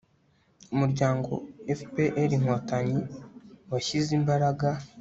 umuryango fpr-inkotanyi washyize imbaraga